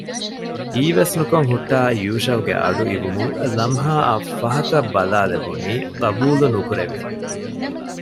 ހީވެސް ނުކޮށް ހުއްޓާ ޔޫޝައުގެ އަޑު އިވުމުން ލަމްހާއަށް ފަހަތަށް ބަލާލެވުނީ ޤަބޫލުނުކުރެވިފަ